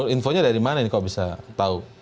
infonya dari mana ini kok bisa tahu